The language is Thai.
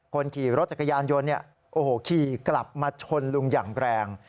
คนขี่รถจักรยานยนต์ขี่กลับมาชนลุงอย่างแรง